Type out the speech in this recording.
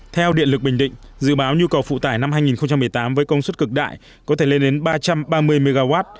theo điện lực bình định dự báo nhu cầu phụ tải năm hai nghìn một mươi tám với công suất cực đại có thể lên đến ba trăm ba mươi mw